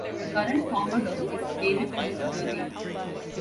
The current commodore is David T. Gurney.